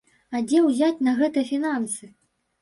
А дзе ўзяць на гэта фінансы?